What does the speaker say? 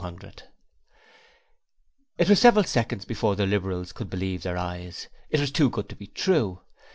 .. 4,200 It was several seconds before the Liberals could believe their eyes; it was too good to be true.